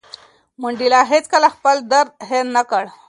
منډېلا هېڅکله خپل درد هېر نه کړ.